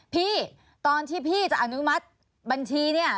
พี่ตอนที่พี่จะอนุมัติบัญชีเนี่ย